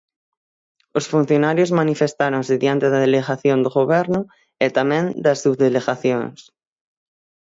Os funcionarios manifestáronse diante da Delegación do Goberno, e tamén das subdelegacións.